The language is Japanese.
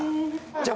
じゃあ